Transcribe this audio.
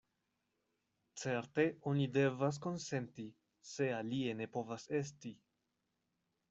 Certe oni devas konsenti, se alie ne povas esti.